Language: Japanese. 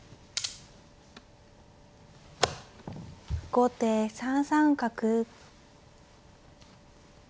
後手３三角。